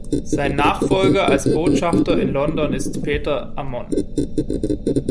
Sein Nachfolger als Botschafter in London ist Peter Ammon.